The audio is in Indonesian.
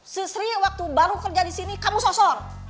sesri waktu baru kerja disini kamu sosor